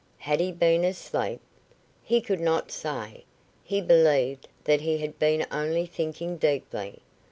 Had he been asleep? He could not say. He believed that he had been only thinking deeply.